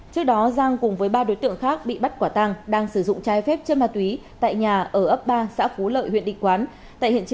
trước đó giang cùng với ba đối tượng khác bị bắt quả tàng đang sử dụng trái phép chân ma túy tại nhà ở ấp ba xã phú lợi huyện định quán